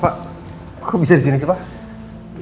pak kok bisa disini sih pak